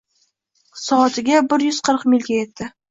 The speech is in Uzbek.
Soatiga bir yuz qirq milga yetdi